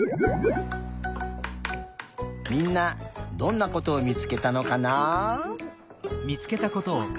みんなどんなことを見つけたのかな？